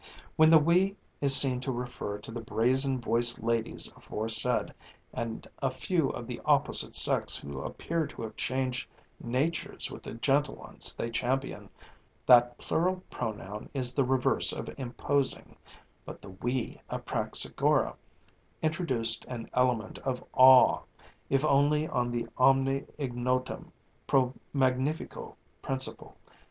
When the "we" is seen to refer to the brazen voiced ladies aforesaid, and a few of the opposite sex who appear to have changed natures with the gentle ones they champion, that plural pronoun is the reverse of imposing, but the "we" of Praxagora introduced an element of awe, if only on the omne ignotum pro magnifico principle.